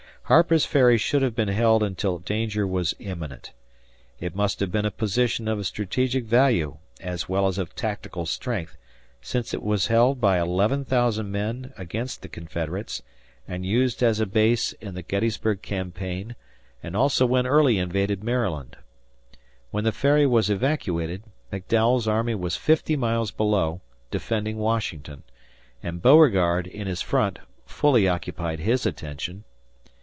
Harper's Ferry should have been held until danger was imminent. It must have been a position of strategic value as well as of tactical strength since it was held by 11,000 men against the Confederates and used as a base in the Gettysburg campaign and also when Early invaded Maryland. When the Ferry was evacuated, McDowell's army was fifty miles below defending Washington, and Beauregard, in his front, fully occupied his attention.